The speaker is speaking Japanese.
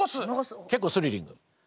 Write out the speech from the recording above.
結構スリリング。